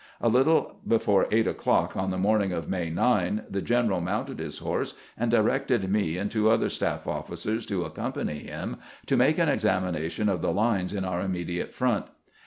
A little before eight o'clock on the morning of May 9, the general mounted his horse, and directed me and two other staff officers to accompany him to make an exami nation of the lines in our immediate front.